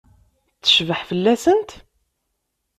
Tecbeḥ fell-asent?